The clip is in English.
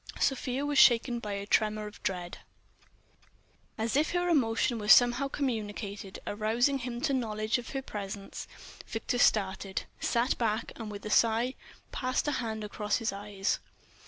Sofia was shaken by a tremor of dread.... And as if her emotion were somehow communicated, arousing him to knowledge of her presence, Victor started, sat back, and with a sigh passed a hand across his eyes.